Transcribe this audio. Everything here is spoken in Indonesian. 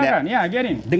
ya agar ini